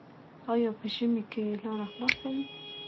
آیا په ژمي کې لاره خلاصه وي؟